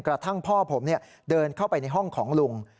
กระทั่งพ่อผมเดินเข้าไปในห้องของลุง